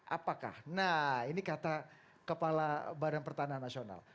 apakah nah ini kata kepala badan pertanahan nasional